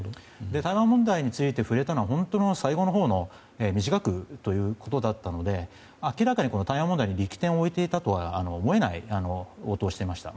台湾問題について触れたのは本当に最後のほうの短いところだったので明らかに台湾問題に力点を置いていたとは思えない応答をしていました。